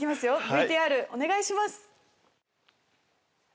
ＶＴＲお願いします。